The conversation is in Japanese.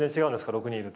６人いると。